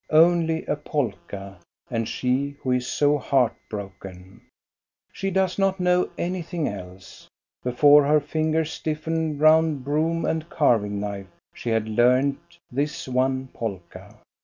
Only a polka, and she who is so heart broken ! She does not know anything else. Before her fingers stiffened round broom and carving knife she had learned this one polka.